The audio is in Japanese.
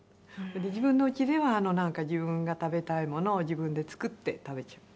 それで自分の家では自分が食べたいものを自分で作って食べちゃう。